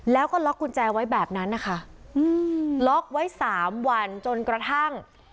แล้วก็ล็อกกุญแจไว้แบบนั้นนะคะอืมล็อกไว้สามวันจนกระทั่ง